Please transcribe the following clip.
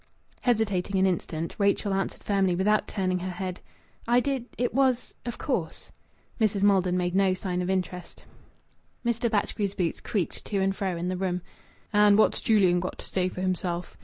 Hesitating an instant, Rachel answered firmly, without turning her head "I did ... It was ... Of course." Mrs. Maldon made no sign of interest. Mr. Batchgrew's boots creaked to and fro in the room. "And what's Julian got to say for himself?"